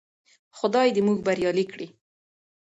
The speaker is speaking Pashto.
خدای دې موږ بريالي کړي.